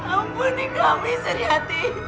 ampuni kami seri hati